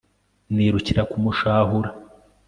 nirukira kumushahura